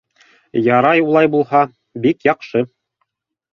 — Ярай улай булһа, бик яҡшы.